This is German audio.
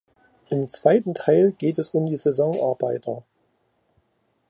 Im zweiten Teil geht es um die Saisonarbeiter.